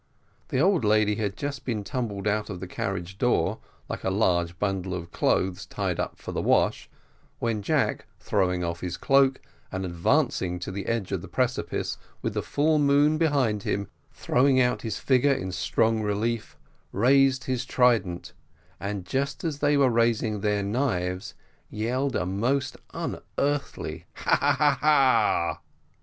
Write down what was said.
The old lady had just been tumbled out of the carriage door, like a large bundle of clothes tied up for the wash, when Jack, throwing off his cloak, and advancing to the edge of the precipice, with the full moon behind him throwing out his figure in strong relief, raised his trident, and just as they were raising their knives, yelled a most unearthly "ha! ha! ha! ha!"